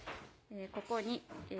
ここに。